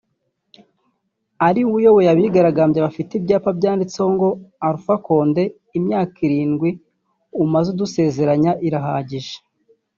ari we uyoboye abigaragambya bafite ibyapa byanditseho ngo “ Alpha Condé imyaka irindwi umaze udusezeranya irahagije”